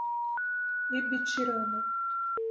Ibitirama